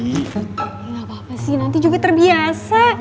tidak apa apa sih nanti juga terbiasa